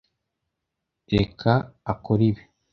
reka t akore ibi